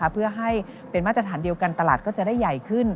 เพื่อให้เป็นมาตรฐานเดียวกันตลาดก็จะได้ใหญ่ขึ้น